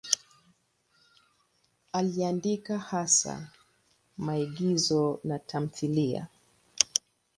Aliandika hasa maigizo na tamthiliya.